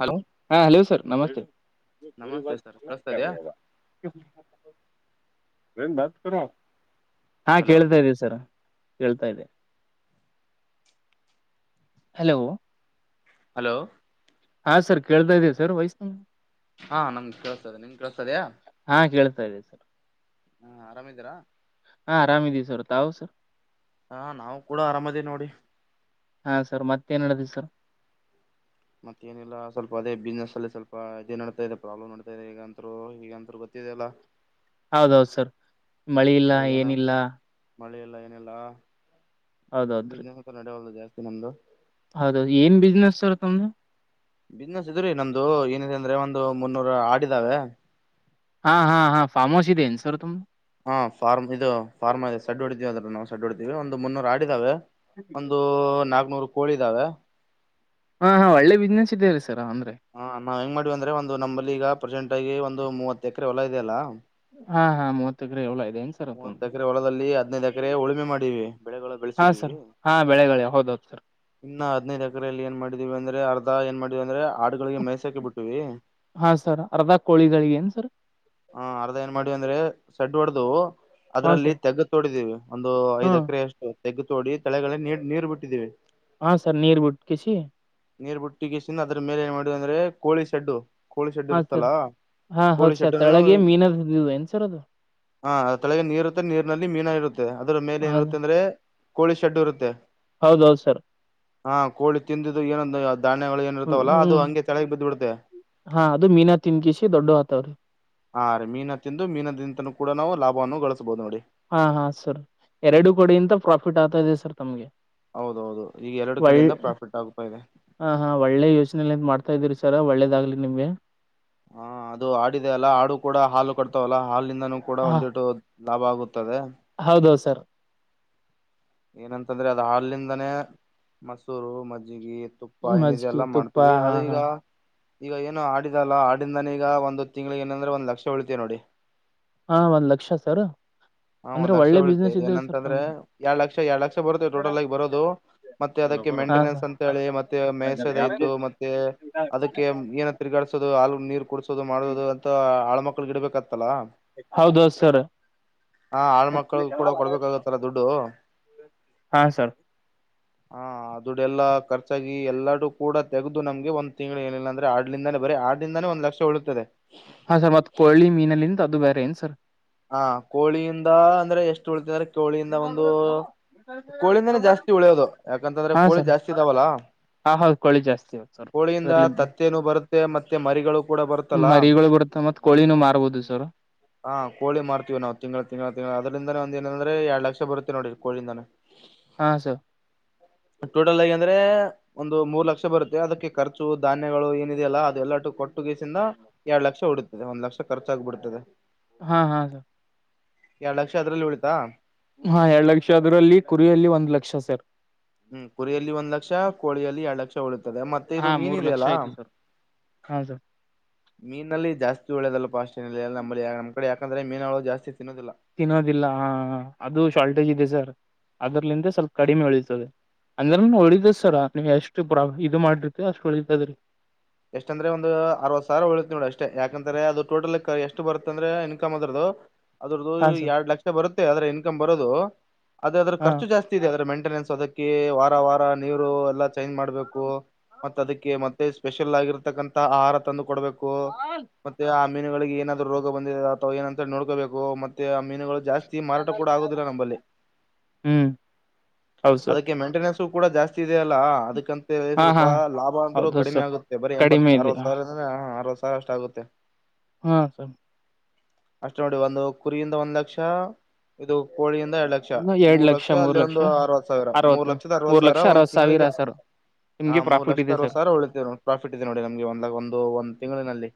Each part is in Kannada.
ಹಲೋ ಹಾ, ಹಲೋ, ಸರ್ ನಮಸ್ತೆ! [unintelligible] ಬರಿ, ಬ. ನಮಸ್ತೆ ಸರ್ ಕೇಳಿಸ್ತಿದೆಯಾ [unintelligible] ಹಾ, ಹಲೋ ಕೇಳ್ತಾ, ಇದೆ, ಸರ್. [unintelligible] ಕೇಳುತ್ತಾ, ಇದೆ, ಹಲೋ. [inaudible] ಹಲೋ.. [unintelligible] ಹಾ, ಸರ್, ಕೇಳ್ತಾ, ಇದೇ, ಸರ್, ವಯಸ್ಸು. [unintelligible] ಹಾ, ನಮ್ಗ್, ಕೇಳಸ್ತದೆ, ನಿನ್ ಕೇಳಸ್ತದಯ? [unintelligible] ಸರಿ, ಸರ್? [inaudible] ಹಾ, ಆರಾಮಿದ್ದೀರಾ? [inaudible] ಹಾ, ಆರಾಮಿದೀವಿ, ಸರ್, ತಾವು, ಸರ್. [unintelligible] ಹಾ, ನಾವು, ಕೂಡ, ಅರಮಿಧಿ, ನೋಡಿ? [unintelligible] ಹಾ, ಸರ್, ಮತ್ತೇನ್, ಹೇಳಿದು, ಸರ್? [unintelligible] ಮತ್ತೇನಿಲ್ಲ, ಸ್ವಲ್ಪ, ಅದೇ ಬಿಸ್ನೆಸ್, ಅಲ್ಲಿ, ಸ್ವಲ್ಪ ಇದೇ ನಡತಾ ಇದೆ ಪ್ರಾಬ್ಲಮ್ ನಡತಾ ಇದೆ ಈಗಂತ್ರು, ಈಗಂತರು, ಗೊ? [inaudible] ಇದೆಲ್ಲ! [inaudible] ಹೌದೌದು, ಸರ್, ಮಳಿ, ಇಲ್ಲ, ಅದು ಏನ ಏನಿಲ್ಲ? [inaudible] ಮಳೆ, ಇಲ್ಲಾ, ಏನಿಲ್ಲ ಹೌದೌದ್ರಿ ಬಿಸ್ನೆಸ್, ಅಂತ ನಡೆಯವಲ್ಲ, ಜಾಸ್ತಿ, ನಮ್ದು. [inaudible] ತಮ್ಮ. [inaudible] ಬಿಸ್ನೆಸ್, ಇದ್ರೀ, ನಮ್ಧು, ಏನಿದ್ರೆ, ಅಂದ್ರೆ, ಒಂದು ಮುನ್ನೂರ, ಆಡಿದಾವೆ! [inaudible] ಹಾ, ಹಾ, ಹಾ, ಫಾರ್ಮೌಸ್, ಇದೇನ್, ಸರ್ ತುಂಬ? [inaudible] ಹಾ, ಫಾರ್ಮ್, ಇದು ಫಾರ್ಮ್ ಇದೆ ಸಡ್ ಹೊಡಿದೀವಿ! ಅದ್ರ, ನಾವು ಸಡ್, ಹೊಡಿದೀವಿ ಒಂದು, ಮುನ್ನೂರ್, ಆಡಿದಾವೆ? [inaudible] ಒಂದು, ನಾಕ್ನೂರು, ಕೋಳಿ ಇದಾವೆ! [inaudible] ಹಾ, ಹಾ, ಒಳ್ಳೆ, ಬಿಸ್ನೆಸ್, ಇದ್ದೇ, ಸ. [inaudible] ಹ ನಾವ್ ಹೆಂಗ್ ಮಾಡ್ವಿ ಅಂದ್ರೆ ಒಂದು ನಮ್ಮಲ್ಲಿ ಈಗ ಪ್ರೆಸೆಂಟ್ ಆಗಿ ಒಂದು ಮೂವತ್ ಎಕರೆ ಎಲ್ಲಾ ಇದೆ ಅಲ್ಲಾ ಹಾ ಹಾ ಮೂವತ್ತೆಕ್ರ ಹೂಲ ಐ ಮೂವತ್ತ ಎಕರೆ ಹೊಲದಲ್ಲಿ ಹದ್ನೈದು ಎಕರೆ ಉಳುಮೆ ಮಾಡೀವಿ ಬೆಳೆಗಳು ಬೆಳೆಸಿದೀವಿ ಹೌದ ಸರ್ ಇನ್ನು ಹದೈದ್ ಎಕರೆೆಯಲ್ಲಿ ಏನ್ ಮಾಡಿದೀವಿ ಅಂದ್ರೆ ಅರ್ಧ ಏನ್ ಮಾಡಿವಿ ಅಂದ್ರೆ ಹಾಡುಗಳಿಗೆ ಮೈಸಾಕಿ ಬಿಟ್ಟಿವಿ ಹಾ ಸರ್ ಅರ್ಧ ಕೋಳಿಗಳಿಗೆ ಏನ್ ಸರ್ ಹಾ ಅರ್ಧ ಏನ್ ಮಾಡವಿ ಅಂದ್ರೆ ಸೆಡ್ ಹೊಡೆದು ಹಾ ಅದ್ರಲ್ಲಿ ಸರ್ ತೆಗ್ಗ ತೋಡಿದೀವಿ ಒಂದು ಹಾ ಐದ್ ಎಕರೆ ಅಷ್ಟು ತೆಗ್ಗು ತೋಡಿ ತಳೆಗಳೇ ನೀ ನೀರು ಬಿಟ್ಟಿದ್ದೀವಿ ಹಾ ಸರ್ ನೀರ್ ಬಿಟ್ಕಿಸಿ ನೀರ್, ಬಿುಟ್ಟಿಗೆಸನ್, ಅದ್ರ, ಮೇಲೆ, ಏನ್, ಮಾಡಿದೀವಿ! ಅಂದ್ರೆ ಕೋಳಿ, ಶೆಡ್ಡು ಕೋಳಿ ಶೆಡ್ ಇರುತ್ತಲ್ಲ, ಕೋಳಿಡ್. [inaudible] ಕೆಳಗೆ, ಮೀನ, ಅದೇ, ಏನೂಸರು. [inaudible] ಹಾ ಅದ ತಳಗೆ ನೀರು ಇರುತ್ತೆ ನೀರ್ನಲ್ಲಿ ಮೀನ ಇರುತ್ತೆ ಅದ್ರ ಮೇಲೆ ಏನಿರುತ್ತೆ ಅಂದ್ರೆ ಕೋಳಿ ಶೆಡ್ಡು ಇರುತ್ತೆ ಹೌದೌದ ಸರ್ ಹಾ ಕೋಳಿ ತಿಂದಿದ್ದು ಏನಂದ ಧಾನ್ಯಗಳು ಏನ ಇರ್ತಾವಲ್ಲ ಅದು ಹ್ಮ್ ಹಂಗೆ ತೆಳಗೆ ಬಿದ್ದು ಬಿಡುತ್ತೇ ಹಾ ಅದು ಮೀನಾ ತಿನ್ಕಿಸಿ ದೊಡ್ಡ ಆತವ್ರಿ ಹಾ ರೀ ಮೀನ ತಿಂದು ಮೀನದಿಂದೂ ಕೂಡ ನಾವು ಲಾಭವನ್ನು ಗಳಿಸಬಹುದು ನೋಡಿ ಹಾ ಹಾ ಸರ್ ಎರಡು ಕೋಡಿಯಂತ ಪ್ರಾಫಿಟ್ ಆಗ್ತಾ ಇದೆ ಸರ್ ತಮ್ಗೆ ಹೌದೌದು ಈಗ ಎರಡು ಕಡೆಯಿಂದ ಪ್ರಾಫಿಟ್ ಆಗ್ತಾ ಇದೆ ಹಾ ಹಾ ಒಳ್ಳೆ ಯೋಚನೆ ಮಾಡ್ತಾ ಇದೀರಿ ಸರ್ ಒಳ್ಳೇದಗ್ಲಿ ನಿಮ್ಗೆ ಹ ಅದು ಆಡಿದೆ ಅಲ್ಲ ಆಡು ಕೂಡ ಹಾಲು ಕಟ್ತವಲ್ಲ ಹಾಲಿಂದಾನೂ ಕೂಡ ಒಂದಿಟ್ಟು ಲಾಭ ಆಗುತ್ತೆ ಹೌದೌದ ಸರ್ ಏನಂತಂದ್ರೆ ಅದ ಹಾಲಿಂದಾನೇ ಮಸೂರು ಮಜ್ಜಗಿ ತುಪ್ಪ ಏನ ಎನ್ನಿದೆ ಮಜ್ಗಿ ಎಲ್ಲ ತುಪ್ಪ ಮಾಡ್ತೀವಿ ಹಾ ಅದು ಈಗ ಹಾ ಈಗ ಏನು ಆಡಿದಲ್ಲ ಆಡಿಂದಾನ ಈಗ ಒಂದ ತಿಂಗಳಿಗ ಏನಂದ್ರೆ ಒಂದ್ ಲಕ್ಷ ಉಳಿತೆ ನೋಡಿ ಹಾ ಒಂದ್ ಲಕ್ಷ ಸರ್ ಹಾ ಅಂದ್ರೆ ಒಂದ್ ಲಕ್ಷ ಒಳ್ಳೆ ಉಳಿತೆ ಬಿಸ್ನೆಸ್ ಇದೆ ಸರ್ ಏನಂತಂದ್ರೆ ಎರಡ್ ಲಕ್ಷ ಎರಡ್ ಲಕ್ಷ ಬರುತ್ತೇ ಟೋಟಲ್ ಆಗಿ ಬರೋದು ಮತ್ತೆ ಅದಕ್ಕೆ ತಮ್ದು ಹಾ ಮೇಂಟೆನೆನ್ಸ್ ಸರ್ ಅಂತ ಹೇಳಿ ಮತ್ತೆ ಮೇಸದತು ಮತ್ತೆ ಅದಕ್ಕೆ ಏನ ತಿರ್ಗಾಡಿಸೋದು ಅ ನೀರ್ ಕುಡಸೋದು ಮಾಡೋದು ಅಂತ ಆಳ ಮಕ್ಳು ಗಿಡಬೇಕ ಹೌದೌದ ಸರ್ ಹ ಆಳ್ಮಕ್ಳು ಕೂಡ ಕೊಡ್ಬೇಕಾಗತ್ತಲ್ಲ ದುಡ್ಡು ಹಾ ಸರ್ ಹಾ ಅದುಡ್ಡ ಎಲ್ಲಾಖರ್ಚಾಗಿ ಎಲ್ಲಡು ಕೂಡ ತಗದು ನಮ್ಗೆ ಒಂದ್ ತಿಂಗಳ ಏನಿಲ್ಲ ಅಂದ್ರೆ ಆಡ್ಲಿಂದಾನೇ ಬರೀ ಆಡಿಂದಾನೆ ಒಂದ ಲಕ್ಷ ಉಳಿತ್ತದೆ ಹಾ ಸರ್ ಮತ್ ಕೊಳ್ಳಿ ಮೀನಲ್ಲಿಂತ ಅದು ಬೇರ ಏನ್ ಸರ್ ಹಾ ಕೋಳಿಯಿಂದ ಅಂದ್ರೆ ಎಷ್ಟು ಉಳಿತ ಅಂದ್ರೆ ಕೋಳಿಯಿಂದ ಒಂದು ಕೋಳಿಯಿಂದನೇ ಜಾಸ್ತಿ ಉಳಿಯದು ಯಾಕಂತಂದ್ರೆ ಹಾ ಕೋಳಿ ಸರ್ ಜಾಸ್ತಿ ಇದಾವಲ್ಲ ಹಾ ಹೌದು ಕೋಳಿ ಜಾಸ್ತಿ ಸರ್ ಕೋಳಿಯಿಂದ ಅದ್ರಲ್ಲಿ ತತ್ತೇನ ಬರುತ್ತೆ ಮತ್ತೆ ಮರಿಗಳು ಕೂಡ ಬರುತ್ತಲ್ಲ ಮರಿಗಳು ಬಿಡತ್ತ ಮತ್ ಕೋಳಿನೂ ಮಾರ್ಬೋದು ಸರ ಹ ಕೋಳಿ ಮಾರತವಿ ನಾವು ತಿಂಗಳು ತಿಂಗಳ ತಿಂಗಳು ಅದ್ರಿಂದಾನೇ ಒಂದ ಏನಂದ್ರೆ ಎರಡು ಲಕ್ಷ ಬರುತ್ತೆ ನೋಡಿ ಕೋಳಿಂದಾನೇ ಹಾ ಸರ್ ಟೋಟಲ್ ಆಗಿ ಅಂದ್ರೆ ಒಂದು ಮೂರು ಲಕ್ಷ ಬರುತ್ತೆ ಅದಕ್ಕೆ ಖರ್ಚು ಧಾನ್ಯಗಳು ಏನಿದೆಯಲ್ಲ ಅದು ಎಲ್ಲಟು ಕೊಟ್ಟ ಟ್ಟಗಸಿಂದ ಎರಡ್ ಲಕ್ಷ ಉಡತ್ತದೆ ಒಂದ್ ಲಕ್ಷ ಖರ್ಚಾಗಬಿಡ್ತದೆ ಹಾ ಹಾ ಸ ಎರಡ ಲಕ್ಷ ಅದ್ರಲ್ಲಿ ಉಳಿತಾ ಹಾ ಎರಡ್ ಲಕ್ಷ ಅದ್ರಲ್ಲಿ ಕುರಿಯಲ್ಲಿ ಒಂದ್ ಲಕ್ಷ ಸರ್ ಹ್ಮ್ ಕುರಿಯಲ್ಲಿ ಒಂದ್ ಲಕ್ಷ ಕೋಳಿಯಲ್ಲಿ ಎರಡ್ ಲಕ್ಷ ಉಳ ಮತ್ತೆ ಇದು ಹಾ ಮೀನ ಮೂರ್ ಇದೆೆ ಲಕ್ಷ ಅಲ್ಲಾ ಆಯ್ತು ಸರ್ ಹಾ ಸರ್ ಮೀನಲ್ಲಿ ಜಾಸ್ತಿ ಒಳ್ಳೇದಲ್ಲ ಪಾಸ್ ನ ನ ನಮ್ಮ ಕಡೆ ಯಾಕಂದ್ರೆ ಮೀನಗಳು ಜಾಸ್ತಿ ತಿನ್ನೋದಿಲ್ಲ ತಿನ್ನೋದಿಲ್ಲ ಹ ಅದು ಶಾರ್ಟೇಜ್ ಇದೆ ಸರ್ ಅದರ್ಲಿಂದ ಸ್ವಲ್ಪ ಕಡಿಮೆ ಉಳೀತದೆ ಅಂದ್ರ ಉಳಿತದ ಸರ ನೀವ್ ಎಷ್ಟು ಇದು ಮಾಡ್ರಿತಿ ಅಷ್ಟ್ ಉಳಿತದ್ರೀ ಎಷ್ಟಂದ್ರೆ ಒಂದು ಅರವತ್ ಸಾವಿರ ಉಳಿತಿ ನೋಡಿ ಅಷ್ಟೇ ಯಾಕಂದ್ರೆ ಅದು ಟೋಟಲ್ ಎಷ್ಟ ಬತ್ತಂದ್ರ ಇನ್ಕಮ್ ಅದ್ರದದು. ಅದ್ರ್ದ ಹಾ ಸರ್ ಎರಡು ಲಕ್ಷ ಬರುತ್ತೆ ಅದ್ರ ಇನ್ಕಮ್ ಬರೋದು ಆದ್ರೆ ಅದ್ರ ಹಾ ಖರ್ಚು ಜಾಸ್ತಿ ಇದೆ ಅದ್ರ ಮೆಂಟ. ಮಂಟನೆನ್ಸ್ ಅದಕ್ಕೆ ವಾರ ವಾರ ನೀರು ಎಲ್ಲಾ ಚೇಂಜ್ ಮಾಡ್ಬೇಕು ಮತ್ತ ಅದಕ್ಕೆ ಮತ್ತೆ. ಸ್ಪೆಷಲ್ ಆಗಿರತಕ್ಕಂತ ಆಹಾರ ತಂದು ಕೊಡ್ಬೇಕು ಮತ್ತೆ. ಮೀನುಗಳಿಗೆ ಏನಾದ್ರು ರೋಗ ಬಂದಿದೆ ಅಥವಾ ಏನಂತ ನೋಡ್ಕೋಬೇಕು ಮತ್ತೆ. ಮೀನುಗಳು ಜಾಸ್ತಿ ಮಾರಾಟ ಕೂಡ ಆಗುವುದಿಲ್ಲ ನಂಬಲ್ಲಿ ಹ್ಮ್ ಹೌದ್ ಸರ್ ಅದಕ್ಕೆ ಮೇಂಟೆನೆನ್ಸ್. ಕೂಡ ಜಾಸ್ತಿ ಇದೆ ಅಲ್ಲ ಅದಕ್ಕಂತ ಹಾ ಸ್ವಲ್ಪ ಹಾ ಲಾಭ ಅಂದ್ರು. ಹೌದ ಕಡಿಮೆ ಸರ್ ಆಗುತ್ತೆ ಬರೀ ಎಂಬತ್ ಕಡಿಮೆ ಇದೆ ಅರವತ್ತು ಸಾವಿರ ಅಂದ್ರ ಅರವತ್ತ್ತು ಸಾವಿರ ಅಷ್ಟ ಆಗುತ್ತೆ. ಹಾ ಸರ್. ಅಷ್ಟ ನೋಡಿ ಒಂದು ಕುರಿಯಿಂದ ಒಂದ್ ಲಕ್ಷ ಇದು ಕೋಳಿಯಿಂದ ಎರಡ್ ಲಕ್ಷ ಮೂರ್ ಲಕ್ಷ ಅಲ್ಲಿ ಒಂದು ಅರವತ್ ಸಾವಿರ ಮೂರ್ ಅರವತ್ತು ಲಕ್ಷದ ಅರವತ್ ಮೂರ್ ಲಕ್ಷ ಸಾವಿರ ಒಂದ್ ಅರವತ್ ಸಾವಿರ ತಿಂಗ್ಗಳಿಗೆ ಸರ್ ಹಾ ನಿಮ್ಗೆ ಮೂರ್ ಪ್ರಾಫಿಟ್ ಲಕ್ಷ ಇದೆ ಅರವತ್ತು ಸರ್ ಸಾವಿರ ಉಳಿತೇವ್. ಪ್ರಾಫಿಟ್ ಇದೆ ನೋಡಿ ನಮ್ಗೆ ಒಂದ್ ಒಂದು ಒಂದ್ ತಿಂಗಳಿನಲ್ಲಿ.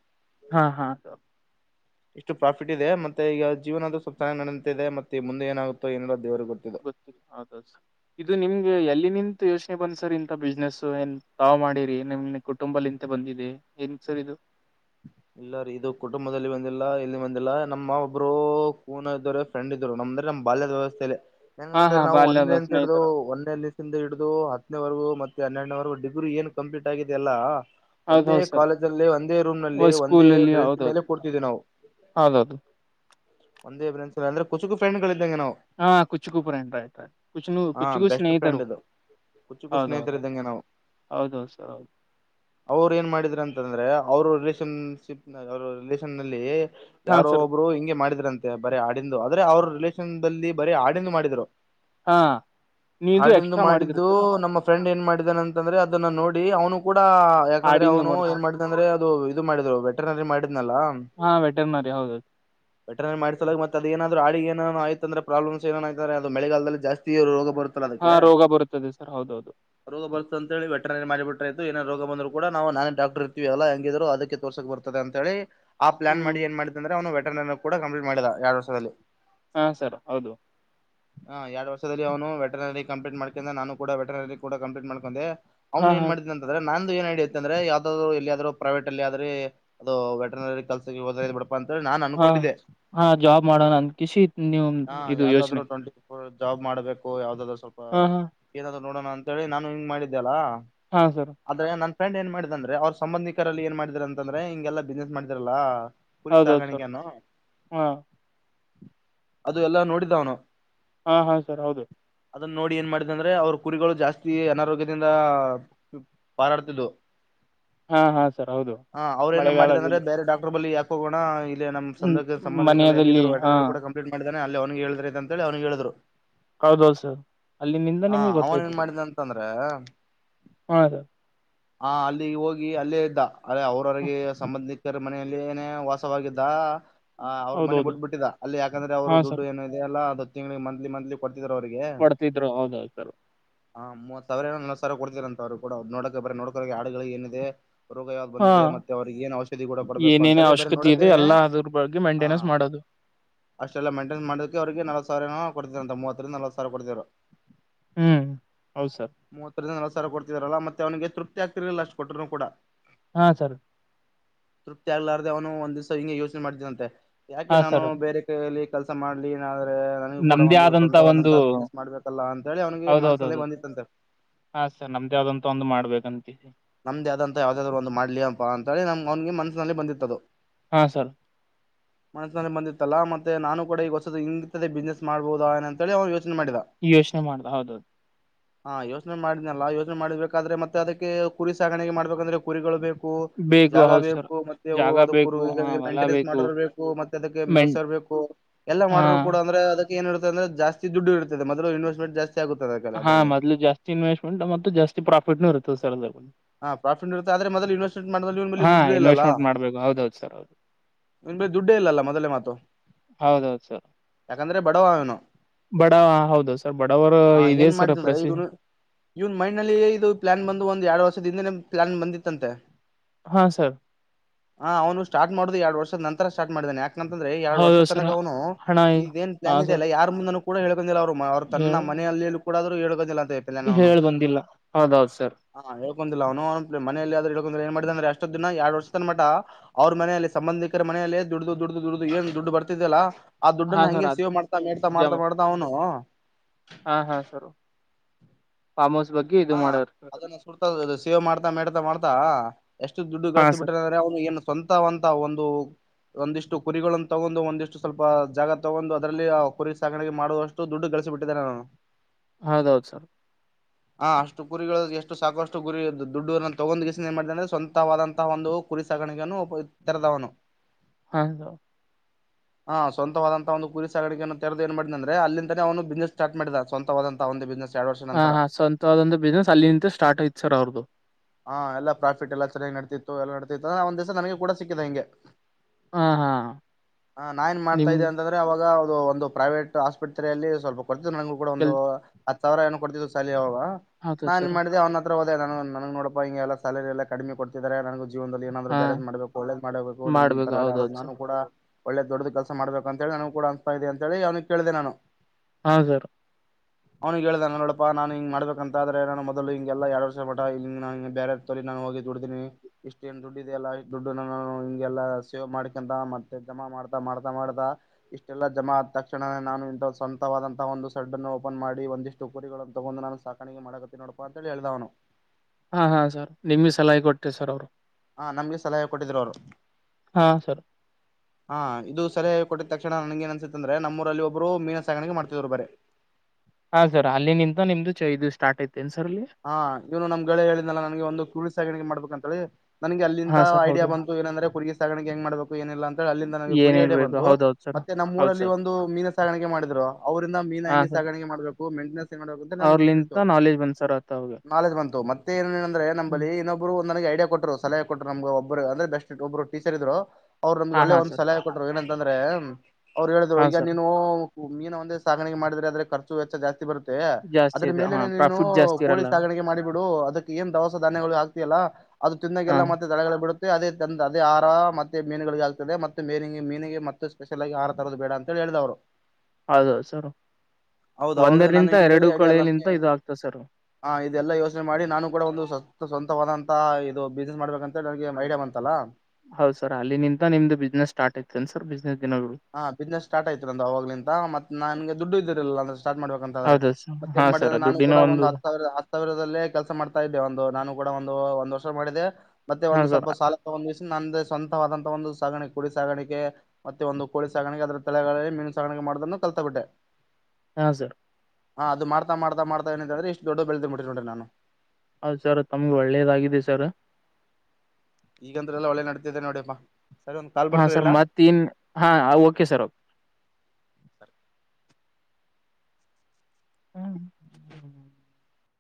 ಹಾ ಹಾ ಇಷ್ಟು ಪ್ರಾಫಿಟ್ ಇದೆ ಮತ್ತೆ ಈಗ ಜೀವನ ಅದು ಸ್ವಲ್ ನಡೆತ ಇದೆ ಮತ್ತೆ ಮುಂದೆ ಏನಾಗುತ್ತೋ ಏನ. ಗೊತ್ತಿಲ್ಲ ಹೌದೌದು ಇದು ನಿಮ್ಗೆ ಎಲ್ಲಿ ನಿನ್. ಯೋಚನೆ ಬಂದ್ ಸರ್ ಇಂತ ಬಿಸ್ನೆಸ್ ಏನ್ ತಾಾವ್ ಮಾಡಿರಿ ನಿಮ ಕುಟುಂಬದಲ್ಲಿಂತೆ ಬಂದಿದೆ ಏನ್ ಸರ್ ಇದು. ಹ ಇಲ್ಲ ರೀ ಇದು ಕುಟುಂಬದಲ್ಲಿ ಬಂದಿಲ್ಲ ಇಲ್ಲಿ ಬಂದಿಲ್ಲ ನಮ್ಮ ಒಬ್ರು ಪುಣೆ ಇದಾರೆ ಫ್ರೆಂಡ್ ಇದ್ರು ನಮ್ಮ್. ಅಂದ್ರೆ ನಮ್ ಬಾಲ್ದ ವ್ಯವಸ್ಥೆಲಿ ಹಾ ಹೆಂಗಂತ್ರ ಹಾ ನಾವು ಬಾಲ್ಯದ ಒಂದೆಂತ ಹಿಡ್ದು ಸ್ನೇಹಿತರು ಒಂದೆಲ್ಲಿಸಿಂದ ಹಿಡ್ದು ಹ. ಹನೆವರೆಗ ಮತ್ತೆ ಹನ್ನೆಡನವರೆಗ ಡಿಗ್ರಿ ಏನ್ ಕಂಪ್ಲೀಟ್ ಆಗಿದೆೆಯಲ್ಲ. ಹೌದ ಒಂದೇ ಹೌದು ಸರ್ ಕಾಲೇಜ್ ನಲ್ಲಿ ಒಂದೇ ರೂಮ್ ನಲ್ಲಿ. ಅಲ್ಲಿ ಒಂದೇ ಸ್ಕೂಲ್ ಅಲ್ಲಿ ಬ್ರಂಚ್ ಮೇಲೆ ಹೌದೌದು ಕೊಡ್ತಿದ್ದವಿ ನಾವು. ಹೌದೌದು ಒಂದೇ ಬ್ರೆಂಚ್ ಕುಚುಕು ಫ್ರೆಂಡ್ಗಳು ಹಾ ಕುಚ್ಚು ಕುಪುರ ರ ಕು ಹಾ ಕುಚ್ಚಗೂನ ಬೆಸ್ಟ್ ತರು ಫ್ರೆಂಡ್ ಇದು ಕುಚುಕು ಹೌದೌದ ಸ್ನೇಹಿತರಿದ್ದಂಗೆ ಹೌದೌದು ಸರ್ ಹೌದು. ಅವರು ಏನ್ ಮಾಡಿದ್ರ ಅಂತಂದ್ರೆ ಅವರು ರಿಲೇಷನ್ಶಿಪ್ ಅವ್ರ ರಿಲೇಷನ್ ನಲ್ಲಿ. ಹಾ ಯಾರೋ ಸರ್ ಒಬ್ರು ಹಿಂಗೆ ಮಾಡಿದ್ರಂತೆ ಬರೀ ಆಡಿಂದು ಆದ್ರೆ ಅವ್ರ ರಿಲೇಷನ್ಲ್ಲಿ ಬರೀ ಆಡಿಂದು ಮಾಡಿದ್ರು. ಹಾ ನೀದು ಆಡಂದು ಎಕ್ಸ್ಟ್ರಾ ಮಾಡಿದ್ರಿ ಮಾಡಿದ್ದು ಸರ್ ನಮ್ಮ ಫ್ರೆಂಡ್ ಏನ್ ಮಾಡ. ಇದನಂತಂದ್ರೆ ಅದನ್ನ ನೋಡಿ ಅವನು ಕೂಡ ಯಾಕಂದ್ರೆ ಆಡಿಂದು ಅವನು ಮಾಡ್ದ ಏನ್ ಮಾಡತ ಅಂದ್ರೆ ಅದು. ಮಾಡರು ವೆಟನರಿ ಮಾಡಿದ್ನಲ್ಲ ಹಾ ವೆಟರ್ನರಿ ಹೌದೌದು ವೆಟನರಿ ಮಾಡಲ ಮ ಅದ ನಾದ. ಆಗೆ ಏನೋ ಆಯತ ಅಂದ್ರ ಪ್ರಾಬ್ಲಮಸ್ ಏನನ್ ಆ್ತ ಅದು ಮಳಗಾಲದಲ್ಲಿ ಜಾಸ್ತಿ ರೋಗ ಬರು. ಹಾ ಅದಕ್ಕೆ ರೋಗ ಬರುತ್ತದೆ ಸರ್ ಹೌದೌದು ರೋಗ ಬರ್ತ ಅಂತ ಹೇಳಿ ವೆಟ್ರನರಿ ಮಾಡಿ ಬಿಟ್ರ ಆಯ್ತು. ರೋಗ ಬಂದ್ರರು ಕೂಡ ನಾವು ನಾನೇ ಡಾಕ್ಟರ್ ಇರ್ತಿವಾಲ ಅಲ್ಲ ಹೆಂಗಿದ್ ಅದಕ್ಕೆ ತರ್ಸಕಕ್ ಬರ್ತದೆ ಅಂತ ಹೇಳಿ ಆ ಪ್ಲಾನ್ ಮಾಡಿ ಹ್ಮ್ ಏನ್ ಮಾಡ್ದಂದ್ರೆ ಅವನು ವೆಟನ ಕೂಡ ಕಂಪ್ ಮಾಡಿದ ಎರಡ್ ವರ್ಷದಲ್ಲಿ ಹಾ ಸರ್ ಹೌದು. ಹ ಎರಡ್ ವರ್ಷದಲ್ಲಿ ಅವನು ವೆಟನರಿ ಕಂಪ್ಲೀಟ್ ಮಾಡ್ಕೊಂಡ್ರೆ ನಾನು ಕೂಡ ವೆಟನರಿ ಕೂಡ ಕಂಪ್ಲೀಟ್ ಮಾಡ್ಕೊಂಡೆ. ಅವ್ನ್ ಹಾ ಹಾ ಏನ್ ಮಾಡಿದ ಅ್ರೆ ನನ್ ಏ ಡಿಯ ಐ ಅಂದ್ರೆ ಯಾವ್ದಾದ್ ಎಲ್ಲಿಲ್ಲಾದ್ ಪ್ರೈವಟ್. ಆದ್ರೆ ಅದು ವೆಟನರಿ ಕೆಲ್ಸ ಹೋದ ಬಿ. ಅಂತೇಳಿ ನಾನ್ ಹಾ ಅನ್ಕೊಂಡಿದ್ದೆ ಹಾ ಜಾಬ್ ಮಾಡೋಣ ಅಂದ ಕಿಸಿ ಹ ನಿಮ್ದು ಇದು ಯೋಚನೆ ಯಾವ್ದಾದ್ರು ಟ್ಂಟಿ. ಜಾಬ್ ಮಾಡ್ಬೇಕು ಯಾವ್ದಾದ್ರು ಸ್ವಲ್ಪ ಹಾ ಹಾ ಏನಾದ್ರು ನೋಡೋಣ ಅಂತೇಳಿ ನಾನು ಹಿಂಗ್ ಮಾಡಿದ್ದೆಲ್ಲ. ಹಾ ಸರ್ ಆದ್ರೆ ನನ್ ಫ್ರೆಂಡ್ ಏನ್ ಮಾಡಿದ ಅಂದ್ರೆ ಅವ್ರ ಸಂಬಂಧಿಕರ. ಲ್ಲಿ ಏನ್ ಮಾಡಿದೀ ಅಂದ್ರೆ ಹಿಗೆಲ್ಲ ಬಿಸ್ನೆಸ್ ಮಾಡಿದರಲ್ಲಾ. ಹೌದೌದು ಸರ್ ಹಾ. ಅದು ಎಲ್ಲಾ ನೋಡಿದ ಅವನು. ಹಾ ಹಾ ಸರ್ ಹೌದು. ಅದನ್ನ ನೋಡಿ ಏನ್ ಮಾಡಿದೆ ಅಂದ್ರೆ ಅವ್ರ ಕುರಿಗಳು ಜಾಸ್ತಿ ಅನಾರೋಗ್ಯದಿಂದ ಪಾರಾಡ್ತಿದ್ವು. ಹಾ ಹಾ ಸರ್ ಹೌದು ಮಳೆಗಾಲದಲ್ಲಿ. ಋಣ ಇಲ್ಲಿ ಹ್ಮ್ ನಮ್ಮ್ಂದಕ್ಕೆ ಸಂಬಧಕ್ಕೆಲ್ಲ ಮನೆಯಲ್ಲಿ ಹೆಂಗಿದ್ರು ಹಾ ವೆಟರ್ ಕೂ ಕಂಲೀಂಟ್ ಮಾಡಿ. ಇದಾನ ಅಲ್ಲಿ ಅವನಿಗೆ ಹೇಳಿದ್ರೈ ಅಂತ ಹೇಳಿ ಅವನಿಗೆ ಹೇಳ್ರು. ಕೌದಲ್ಸ ಅಲ್ಲಿ ನಿಂದ ನಿಮ್ಗೆ ಅವನ್ ಗೊತ್ತಾಯ್ತಿ ಏನ್ ಸ. ಮಾಡಿದ ಅಂತಂದ್ರೆ ಹೌದು. ಹ ಅಲ್ಲಿ ಹೋಗಿ ಅಲ್ಲೇ ಇದ್ದ ಅ ಅವ್ರವರಿಗೆ ಸಂಬಂಧ ನಿ ಕರ ಮನೆಯಲ್ಲಿ ಏನೇ ವಾಸವಾಗಿದ್ದ. ಆ ಅವ್ ಮನೆ ಹೌದೌದು ಬಿಟ್ಡ್ಬಟ್ಟಿದ ಅ ಯಾಕಂದ್ರ ಅವರು ಹಾ ದುಡ್ಡು ಸರ್ ಏನುನದೆಲ್ಲ ಅ ಹ ತಿಂಗಳಿಗೆ ಮಂತ್ಲಿ ಮಂತ್ಲಿ ಕೊಟ್. ಕೊಡ್ತಿದ್ರು ಹೌದೌ ಸರ್. ಹಾ ಮೂವತ್ ಸಾವಿರ ಏ ನಲ್ಸಾವರ ಕೊಡ್ತೀರ ಅಂತ ಅವರು ಕೂಡ ನೋಡಕ ಬ್ರ ನೋಡಕೋ ಆಡುಗಳು ಏನಿದೆ. ರೋಗ ಯಾವ್ದ್ ಹಾ ಬಂದಿದೆ ಮತ್ತೆ ಅವ್ರಿಗೆ ಏನ್ ಔಷಧಿ ಕೂಡಬೇಕು ಅಂತ ಹೇಳಿ ಬರೀ ನೋಡಕನೆ. ಮೈಂಟೆನೆನ್ಸ್ ಮಾಡೋದು. ಅಷ್ಟೆಲ್ಲ ಮೈಂಟೈನ್ಸ್ ಮಾಡದಕ್ಕೆ ಅವ್ರಿಗೆ ನಲ್ವತ್ತು ಸಾವಿರನ ಕೊಡ್ತರು ಅಂತ ಮೂವತ್ತರಿಂದ ನಲ್ವತ್ತು ಸಾವಿರ ಕೊಡ್ತಿದ್ರು. ಹ್ಮ್ ಹೌದು ಸರ್ [inaudible] ರಲ್ಲ ಮತ್ತೆ ಅವನಿಗೆ ತೃಪ್ತಿ ಆಗ್ತಿರ್ಲಿಲ್ಲ ಅಷ್ಟ ಕೊಟ್ಟರು ಕೂಡ. ಹಾ ಸರ್. ತೃಪ್ತಿ ಆಗ್ಲಾರ್ದ ಅವನು ಒಂದ ದಿವ್ಸ ಹಿಂಗೆ ಯೋಚನೆ ಮಾಡ್ತನಂತೆ ಹಾ ಯಾಕೆ ನಾನು ಸರ್ ಬೇರೆ ಕೈಲಿ. ಕೆಲಸ ಮಾಡ್ಲಿನಾದ. ನನಗೂ ಕೂಡ ನಮ್ದೇ ಒಂದು ಆದಂತ ಒಂದು ಸ್ವಂತವಾದಂತ ಬಿಸ್ನೆಸ್ ಮಾಡ್ಬೇಕಲ್ಲ ಅಂತ ಹೇಳಿ ಅವನಿಗೆ ಮನಸ್ಸಿನಲ್ಲೇ ಹೌದೌದೌದು ಬಂದಿತ್ತಂತೆ. ಹಾ ಸರ್ ನಮ್ದ್ ಯಾವ್ದಂತ ಒಂದು ಮಾಡ್ಬೇಕಂತಿ. ನಮ್ದ ಯಾವ್ದಂತ ಯಾವ್ದಾದ್ ಒಂದು ಮಾಡ್ಲಿ ಅಪ್ಪಾ ಅಂತ ಹೇಳಿ ನಮ್ ಅವ್ನಿಗೆ ಮನಸ್ಸಿನಲ್ಲಿ ಬಂದಿತ್ತತದು. ಹಾ ಸರ್ ಮನಸ್ಸಿನಲ್ಲಿ ಬಂದಿತ್ತಲ್ಲ ಮತ್ತ ನಾನು ಕೂಡ ಈಗ ಹೊಸದ ಹಿಂಗದೆ ಬಿಸ್ನೆಸ್ ಮಾಡ್ಬಹುದಾ ಏ ಅಂತ ಹೇಳಿ ಅವ್ ಯೋಚ. ಯೋಚನೆ ಮಾಡ್ದ ಹೌದೌದು. ಹಾ ಯೋಚನೆ ಮಾಡ್ನಲ್ಲಾ ಯೋನೆ ಮಾಡ್ಬೇಕಾದ್ರೆ ಮತ್ತೆ ಅದಕ್ಕೆ ಕುರಿ ಸಾಗಾಣೆ ಮಾಡ್ಬೇಕಂದ್ರೆ ಕುರಿಗಳು ಬೇಕು. ಬೇಕು ಜಾಗ ಹೌದು ಸರ್ ಬೇಕು ಮತ್ತೆ ಜಾಗ ಅದ ಬೇಕು ಹಾ ಹೊಲ ಮೈಂಟೆನೆನ್ಸ್ ಮಾಡರ್ ಬೇಕು ಮತ್ತೆ ಅದಕ್ಕೆ ಮೆಣ್ ಮೇಸರ್ ಬು. ಎ ಹಾ ಮಾಡ್ರರುೂ ಅಂದ್ರೆ ಅದಕ್ಕೆ ಏ ಇತ ಅಂದ್ರೆ ಜಸ್ ಡ್ರ್ತದೆ ಮದಲು ಇನ್ವೆಸ್ಟ್ಮೆಂಟ್ ಜಾಸ್ತಿ ಆಗುತ್ತದೆ ಅದಕ್ಕೆ ಹಾ ಅದ್ರಲ್ಲಿ ಮದ್ಲು ಜಾಸ್ತಿ ಇನ್ವೆಸ್ಟ್ಮೆಂಟ್ ಮತ್ತು ಜಾಸ್ತಿ ಪ್ರಾಫಿಟ್ನು ಇರುತ್ತದೆ ಸ್ಥಳದಲ್ಲಿ. ಹಾ ಪ್ರಾಫಿಟ್ ಇರುತ್ತೆ ಆದ್ರೆ ಮೊದ್ಲ್ ಇನ್ವೆಸ್ಟ್ ಮಾಡವ ಮೇಲೆ ಹಾ ದುಡ್ಡು ಇಲ್ವಲ್ಲ. ಇನ್ವೆಸ್ಟ್ಮೆಂಟ್ ಮಾಡ್ಬೇಕು ಹೌದೌದು ಸರ್ ಹೌದು ಇನ್ ಬಿ ದುಡ್ಡೇ ಇಲ್ಲಲ್ಲ ಮೊದಲೇ ಮಾತು ಹೌದೌದು ಸರ್ ಯಾಕಂದ್ರೆ ಬಡವನು. ಬಡ ಹೌದು ಸರ್ ಬಡವರು ಇದೆ ಸರ್. [unintelligible] ಇವ್ ಮೈಂಡ್ ನಲ್ಲಿ ಇದು ಪ್ಲಾನ್ ಬಂದು ಒಂದ ಎರಡ್ ವರ್ಷ. ದಿಂದನೆ ಪ್ಲಾನ್ ಬಂದಿತ್ತಂತೆ ಹಾ ಸರ್ ಹ ಅವನು ಸ್ಟಾರ್ಟ್ ಮಾಡುದು ಎರಡು ವರ್ಷ. ನಂತರ ಸ್ಟಾರ್ ಮಾಡಿದೇೆ ಯಾಕಂತಂದ್ರೆ ಎರಡು ವರ್ಷ ಹೌದು ತನಕ ಸರ್ ಅವನು ಹಣ ಈಗ ಏನ್ ಹಾ ಪ್ಲಾನ್ದೆಲ್ಲ ಸರ್ ಯಾರ ಮುಂದನ್ನು ಕೂಡ ಹೇಳ. ಲ್ಲ ಅವರು ಅವರು ತನ್ನ ಮನೆಯಲ್ಲಿಯೂ ಕೂಡಾದ್ರರು ಹೇಳಗಂದಿಲ್ಲ. ಹೇಳ್ ಬಂದಿಲ್ಲ ಹೌದೌ ಹೌದು ಸರ್. ದಿಲ್ಲ ಅವ ಮನೆಯಲ್ಲಿ ಏನ್ ಮಾಡ ಅಂದ್ರೆ ಎಷ್ಟೊ ದಿನ ಎರಡ್ ವರ್ಷ ತನ್ ಮಟ ಅವ್ರ ಮನೆಯಲ್ಲಿ ಸಂಬಂಧಿಕರ ಮನೆ ಮ ದುಡಡು ದುಡ ದುಡಡು ಏ ದುಡ್ಡು ಬರ್ತಿದ್ದಲ್ಲಾ. ಆ ಹಾ ದುಡ್ಡನ್ನ ಹಂಗೆ ಸರ್ ಅದ್ ಶೀವ್ ಮಾಡ್ತಾ ಮಾಡ್ತಾ ಮಾಡ್ತಾ ಜಮ ಮಾಡ್ತಾ ಅವನು ಹಾ ಹಾ ಸ ಪಾಮೋ. ಹಾ ಅದನ್ನ ಸುಡ್ತಾ. ಸೇವೆ ಮಾಡ್ತಾ ಮಾಡೇತಾ ಮಾಡ್ತಾ ಎಷ್ಟು ದುಡ್ಡು ಹಾ ಗಳಿಸ ಸರ್ ಬಿಟ್ಟ್ರ ಅಂದ್ರೆ ಅವನು ಏನು ಸ್ವಂತವಂತ ಒಂದು. ಒಂದಿಷ್ಟು ಕುರಿಗಳನ್ನು ತಗೊಂಡು ಒಂದಿಷ್ಟು ಸ್ವಲ್ಪ ಜಾಗ ತಗೊಂಡು ಅದರಲ್ಲಿ ಆ ಕುರಿ ಸಾಗಣೆಗೆ ಮಾಡುವಷ್ಟು ದುಡ್ಡು. ಬಿಟ್ಟಿದರೆ ಅವನು. ಹೌದೌದು ಸರ್ ಹ ಅಷ್ಟು ಕುರಿಗಳು ಎಷ್ಟು ಸಾಕಷ್ಟು ಕುರಿ ದುಡ್ಡವರನ್ನ ತಗೊಂಡ್ ಗಸ ಏನ್ ಮಾಡೆ ಸ್ವಂತವಾದಂತಹ ಒಂದು. ಕುರಿ ಸಾಕಾಣನು ತರದಾವನು ಹದು [inaudible] ಹಾ ಸ್ವಂತವಾದಂತಹ ಒಂದು ಕುರಿ ಸಾಗಾಣಿಗೆನ್ನು ತೆದ ಏ ಮಾಡಿದೆ ಅ್ರ ಅಲ್ಲಿಂದನೇನು ಬಿಸ್ನೆಸ್ ಸ್ಟಾರ್ಟ್ ಮಾಡಿದ ಸ್ವಂತವಾದಂತಹ ಒಂದು ಬಿಸ್ನೆಸ್. ಎರಡು ವರ್ಷ ನಂತರ ಅದಂತ ಬ್ಯುಸಿನೆಸ್ ಅಲ್ಲಿ ನಿಂತ ಸ್ಟ್ ಆಯತೆ ಸರ್ ಅವ್ರ್ದದು. ಹಾ ಎಲ್ಲ ಪ್ರಾಫಿಟ್ ಎಲ್ಲ ಚನ್ನಾಗಿ ನಡತಿತ್ತು ಎಲ್ಲಾ ನಡತಿತ್ತು ಅಂದ್ರೆ ಒಂದ್ ದಿವಸ ನನಗೆ ಕೂಡ ಸಿಕ್ಕಿದೆ ಹಂಗೆ. ಹಾ ಹಾ ಹ ನಾ ಏನ್ ಮಾಡ್ತಾ ನಿಮ್ ಇದ್ದೆ ಅಂತಂದ್ರೆ ಅವಾಗ. ದು ಒಂದು ಪ್ರೈವೇಟ್ ಆಸ್ಪತ್ರೆಯಲ್ಲಿ ಸ್ವಲ್ಪ ಕೊಡ್ತಿದ್ರು ನಂಗಗೂ ಕೂಡ ಒಂದು ಕೆಲ್ ಹತ್ತುತ್ ಸಾವಿರ ಏನೋ ಕೊಡ್ತಿದ್ರು ಸಾಲ ಯಾಗ. ಹೌದೌದು ನಾನ್ ಸರ್ ಮಾಡಿದೆೆ ಅವ್ನ ಹತ್ರ ಹೋದೆ ನ ನನ್ಗ್ ನೋಡಪಾ ಹಿಂ ಎಲ್ಲ ಸಾಲರಿ ಎಲ್ಲ ಕಡಿಮಿ ಕೊಡ್ತಿದಾರೆ ನನ. ಜೀವನದಲ್ಲಿ ಏನಾದ್ರು ಹಾ ಬೇರೆದ್ ಮಾಡ್ಬೇಕು ಒಳ್ಳೇದ್ ಮಾಡ್ಬೇಕು ನಿನ್ನ ತರ ಹೌದೌದು ನಾನು ಸರ್ ಕೂಡ. ಒಳ್ಳೆ ದೊಡ್ಡದು ಕೆಲಸ ಮಾಡಬೇಕುಂತ ಹೇಳಿ ನನಗ ಕೂಡ ಅನ್ತ ಇದೆ ಅಂತೇಳಿ ಅವ್ನು ಕೇಳಿದೆ ನಾನು ಹ ಸರ್ ಅವ್ನಿಗೆ ಹೇಳ್ದ ನೋಡಪ್ಪ ನಾನ್ ಹಿಂಗ ಮಾಡ್ಬೇಕಂತ್ರ ನಾನು ಮೊದಲು ಹಿಂಗೆಲ್ಲ ಎರಡು ವರ್ಷ ಮಠ ಬೇರೆ ತೊ ನಾನು ಹೋಗಿ ದುಡ್ದಿನಿ ಇಷ್ಟ ಏನ್ ದುಡ್ಡ ಇದದೆಲ್ಲ ದುಡ್ಡ ನ ಹಿಂಗೆಲ್ಲ ಸೇ್ ಮಾಡ್ಕಂತ ಮತ್ತೆ ಜಮಾ ಮಾಡ್ತಾ ಮಾಡ್ತಾ ಮಾಡ್ತಾ ಇಷ್ಟೆಲ್ಲ ಜಮಾ ಆದ ತಕ್ಷಣೇ ನಾನು ಇಂತ ಸ್ವಂತವಾದಂತ ಒಂದು ಸ ಓಪನ್ ಮಾಡಿ ಒಂದಿಷ್ಟ ಉ ಕುುರಿಗಳನ್ನು ತಗೊಂಡು ನಾನು ಸಾಕಾಣಿಕೆ ಮಾಡಕತ್ತೆ ನೋಡಪಾ ಅಂತ ಹೇಳಿ ಹೇಳಿದವನು ಹಾ ಹಾ ಸರ್ ನಿಮಗೆ ಸಲಹ ಕೊಡ್ತೇ ಸರ್ ಅವ್ರು ಹ ನಮ್ಗೆ ಸಲಹೆ ಕೊಟ್ಟಿದ್ರು ಅವ್ರು ಹಾ ಸರ್ ಹಾ ಇದು ಸರಿಹ ಕೊಟ್ಟ ತಕ್ಷಣ ನನ್ಗೆ ಏನ್ಸತ್ತೆಂದ್ರೆ ನಮ್ಮ ೂರಲ್ಲಿ ಒಬ್ಬರು ಮೀನ ಸಾಗಣಿಕೆ ಮಾಡ್ತಿದ್ರು ಬರೇ ಹಾ ಸರ್ ಅಲ್ಲಿ ನಿಂತ ನಿಮ್ದು ಇದು ಸ್ಟಾರ್ಟ್ ಐತ ಹಾ ಇವನು ನಮ್ ಗಳೆ ಹೇಳಿದನಲ್ಲ ನನ್ಗೆ ಒಂದು ಕಳಿ ಸಾಗಾಣಿಕೆ ಮಾಡ್ಬೇಕ ಅಂತ ಹೇಳಿ ನನಗೆ ಅಲ್ಲಿಂದ ಹಾ ಸರ್ ಐಡಿಯಾ ಹೌದು ಬಂತು ಏಂದ್ರೆ ಕುುಗ ಸಾಗಾಣೆ ಹೆಂಗ ಮಾಡ್ಬೇಕು ಏನಿಲ್ಲ ಅಂತ ಹೇಳ ಅಲ್ಲಿಂದ ನನಗೆ ಕುುರಿ ಏನ್ ಐಡಿಯಾ ಹೇಳ್ಬೇಕು ಬಂತು ಹೌದೌದು ಸರ್ ಮತ್ತೆ ನಮ್ಮ ಹೌದ್ ಊರಲ್ಲಿ ಸರ್ ಒಂದು ಮೀನ ಸಾಗಾಣಿಕೆ ಮಾಡ್ರು ಅವ್ರಂದ ಮೀನ ಹೆಂಗ ಸಾಗಾಣಿಕೆ ಮಾಡಬೇಕು ಮೇಂಟೆನೆನ್ಸ್ಂಗ ಮಾಡಬೇಕ ಅ ಂತ ನಾಲೆಜ್ ಬಂದ್ ಸರ್ ಅವಾಗ ನಾಳೆಜ್ ಬಂತು ಮತ್ತೆ ಏನಏನಂದ್ರೆ ಹ್ಮ್ ನಂಬಲ್ಲಿ ಇನ್ನೊಬ್ರು ಒಂದು ನನಗೆ ಐಡಿಯಾ ಕೊಟ್ಟರು ಸಲಹೆ ಕೊಟ್ಟರು ನಮ್ ಒಬ್ರು ಅಂದ್ರೆ ಬೆಸ್ಟ್ ಒಬ್ರುಟೀಚರ್ ಇದ್ರು ಅವ್ರು ನಮ್ಗೆ ಹಾ ಒಳ್ಳೆ ಹಾ ಒಂದು್ ಸರ್ ಸಲಹೆ ಕೊಟ್ಟರು ಏನಂತಂದ್ರೆ ಅವ್ರು ಹೇಳಿದ್ರು ಹಾ ಈಗ ಸರ್ ನೀನು ಮೀನ ಒಂದೇ ಸಾಗಣೆಗೆ ಮಾಡಿದ್ರೆ ಆದ್ರೆ ಖರ್ಚು ವೆಚ್ಚ ಜಾಸ್ತಿ ಬರುತ್ತೆ ಜಾಸ್ತಿ ಅದ್ರ ಇದೆ ಹಾ ಮೇಲೆನೆ ನೀನು ಪ್ರಾಫಿಟ್ ಜಾಸ್ತಿ ಇರಲ್ಲ ಪೊಲೀಸ್ ಸಾಗಾಣಣೆ ಮಾಡಿಬಿಡು ಅದಕ್ಕೆ ಏನ್ ದವಸ ಧನ್ಗಳು ಆತಿಯಲ್ಲ ಅದು ಹಾ ತಿಂದಾಗಲ್ಲ ಮತ್ತೆ ತಡಗಳ ಬಿಡುತ್ತೆ ಅದೇ ತಂದು ಅದೇ ಆಹಾರತ್ತೆ ಮೀನುಗಳಿಗೆ ಆಗ್ತದೆ ಮ ಮೀಿಗೆ ಮೀನಿಗೆ ಮತ್ತು ಸ್ಪೆಷಲ್ ಆಗಿ ಆಾರ ತರೋದು ಬೇಡ ಅಂತ ಹೇಳಿ ಹೇಳಿದವ್ರು ಹೌದು ಸರೋ ಹೌದು ಅವಾಗ ನಾನು ಒಂದರನಂತ ಹಿಂಗ ಎರಡು ಹೇಳಿ ಕಳೆಯಲಿಂತ ಇದದುಾಗಗ್ತ ಸರ್ ಎಲ್ಲ ಯೋಚನೆ ಮಾಡಿ ನಾನು ಕೂಡ ಒಂದು ಸ್ವಂತವಾದಂತಹ ಇದು ಬಿಸ್ನೆಸ್ ಮಾಡ್ಬೇಕಂತ ನನಗೆ ಐಡಿಯಾ ಬಂತಲ್ಲ ಹೌದು ಸರ್ ಅಲ್ಲಿ ನಿಂತ ನಿಮ್ದು ಬಿಸ್ನೆಸ್ ಸ್ಟಾರ್ಟ್ಯಐತ ಸರ್್ ಹಾ ಬಿಸ್ನೆಸ್ ಸ್ಟಾರ್ಟ್ ಆಯ್ತು ಅಂದ ಅವಾಗ್ಲಂತ ಮತ್ತತ್ ನನ್ಗೆ ದುಡ್ಡು ಇದ್ದಿರಲ್ಲ ಅ ಸ್ಟಾರ್ಬೇಕಂತ್ರ ಹೌದ ಸರ್ ಮತ್ತೆ ಹಾ ಸರ್ ಮಾಡ್ರೆ ನಾನು ದುಡ್ಡಿನ ಕೂಡ ಒಂದು ಹ ಸಾವಿರ ಹ ಸಾವಿರಲ್ಲೇ ಕೆಲಸ ಮಾಡ್ತಾ ಇದ್ದೆ ಒಂದು ನಾನು ಕೂಡ ಒ ಒಂದ ವರ್ಷ ಮಾಡಿದೆ ಮತ್ತೆ ಹಾ ಒಂದು ಸರ್ ಸ್ವಲ್ಪ ಸಾಲ ತಗ ನನ್ನ ಸ್ವಂತವಾದಂತ ಒಂದು ಸಾಗಣೆ ಕುಡಿ ಸಾಗಾಣಿಕೆ ಮೆ ಒಂದು ಕೋಳಿ ಸಾಗಾಣೆ ಅದ್ರ ತಲೆಗಳಲ್ಲಿ ಮೀನು ಸಾಗಾಣಿಕೆ ಮಾಡೋುದನ್ನು ಕಲ್ತಾ ಬಿಿಟ್ಟೆ ಹಾ ಸರ್ ಹಾ ಅದು ಮಾಡ್ತಾ ಮಾಡತಾ ಮಾಡತಾಏನ ಅಂದ್ರ ಇಷ್ಟು ದಡ್ಡ ಬೆಳೆ್ಟ್ಟಿ ನೋಡಿ ನಾನು ಹೌದು ಸರ್ ತಮ್ಗೆ ಒಳ್ಳೇದಾಗಿದೆ ಸರ್ ಈಗಂದ್ರೆಲ್ಲಾ ಒಳ್ಳೆ ನಡೆತಿದಿದ್ದಾರೆ ನೋಡ್ಯಪ್ಪಾ ಹಾ ಸರ್ ಮತ್ತನ್ ಹಾ ಓಕೆ ಸರ್ ಹ್ಮ್